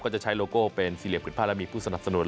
จะใช้โลโก้เป็นสี่เหลี่ยผืนผ้าและมีผู้สนับสนุน